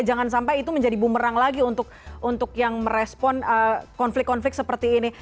jangan sampai itu menjadi bumerang lagi untuk yang merespon konflik konflik seperti ini